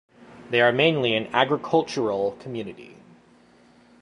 They are mainly an agricultural community.